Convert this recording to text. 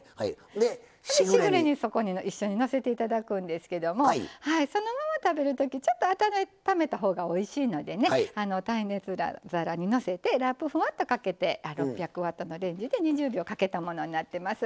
しぐれ煮、そこに一緒にのせていただくんですけどもそのまま食べるときちょっと温めたほうがおいしいのでね、耐熱皿にのせてラップをふわっとかけて６００ワットのレンジで２０秒かけたものになってます。